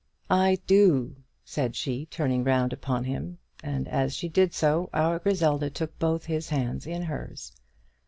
"I do," said she turning round upon him; and as she did so our Griselda took both his hands in hers.